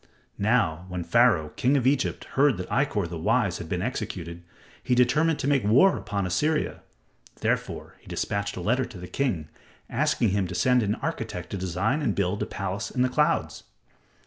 Now, when Pharaoh, king of Egypt, heard that Ikkor, the wise, had been executed, he determined to make war upon Assyria. Therefore, he dispatched a letter to the king, asking him to send an architect to design and build a palace in the clouds.